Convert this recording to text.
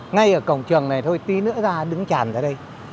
ngay ở cổng trường này thôi tí nữa ra đứng tràn ra đây